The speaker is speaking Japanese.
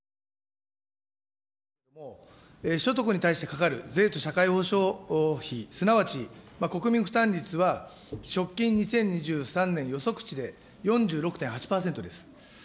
所得に対してかかる税と社会保障費、すなわち国民負担率は、直近２０２３年予測値で、４６．８％です。